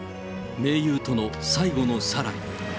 盟友との最後のサライ。